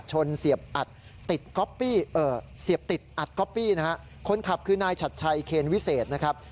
ชนเสียบติดอัดกอปปี้คนขับคือนายชัตร์ชัยเครนวิเศษนะครับ